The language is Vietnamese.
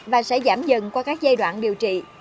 và sẽ giảm dần qua các giai đoạn điều trị